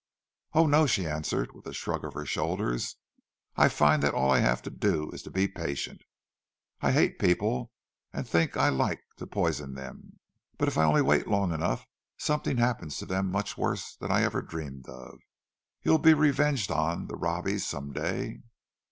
"Oh, no," she answered, with a shrug of her shoulders. "I find that all I have to do is to be patient—I hate people, and think I'd like to poison them, but if I only wait long enough, something happens to them much worse than I ever dreamed of. You'll be revenged on the Robbies some day."